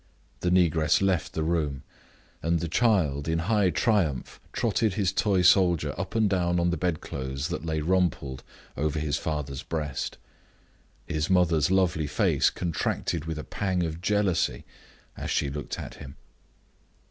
The negress left the room, and the child, in high triumph, trotted his toy soldier up and down on the bedclothes that lay rumpled over his father's breast. His mother's lovely face contracted with a pang of jealousy as she looked at him.